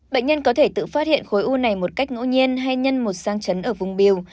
bệnh nhân có thể tự phát hiện khối u này một cách ngẫu nhiên hay nhân một sang chấn ở vùng biểu